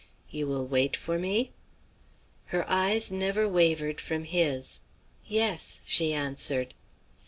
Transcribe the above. "'You will wait for me?' "Her eyes never wavered from his. "'Yes!' she answered.